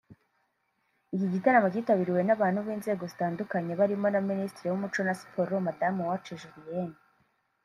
Iki gitaramo cyitabiriwe n'abantu b'inzego zitandukanye barimo na Minisitiri w'umuco na Siporo Mme Uwacu Julienne